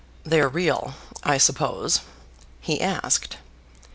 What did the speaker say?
"They're real, I suppose?" he asked.